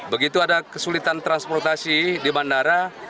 begitu ada kesulitan transportasi di bandara